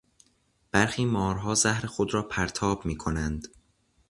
برخی مارها زهر خود را پرتاب میکنند.